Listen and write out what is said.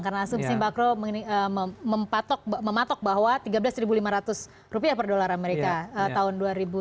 karena asumsi bakro mematok bahwa tiga belas lima ratus rupiah per dolar amerika tahun dua ribu tujuh belas